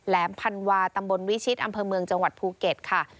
พันวาตำบลวิชิตอำเภอเมืองจังหวัดภูเก็ตค่ะ